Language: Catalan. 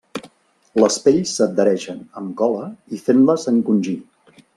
Les pells s'adhereixen amb cola i fent-les encongir.